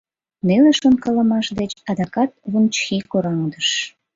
Неле шонкалымаш деч адакат Вун-Чхи кораҥдыш.